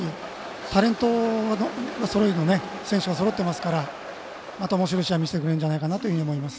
タレントそろいの選手がそろってますからまたいい試合を見せてくれると思います。